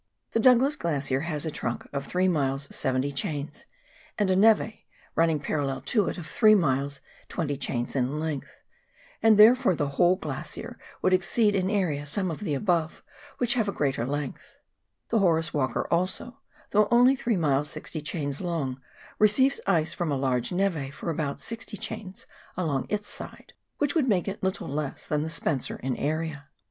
The Douglas Glacier has a trunk of 3 miles 70 chains, and a neve, running parallel to it, of 3 miles 20 chains in length, and therefore the whole glacier would exceed in area some of the above which have a greater length ; the Horace Walker also, though only 3 miles 60 chains long, receives ice from a large neve for about 60 chains along its side, which would make it little less than the Spencer in area.